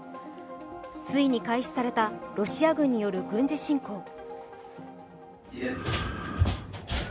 ついに開始されたロシア軍による軍事侵攻。